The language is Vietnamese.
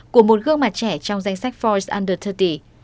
của một gương mặt trẻ trong danh sách voice under ba mươi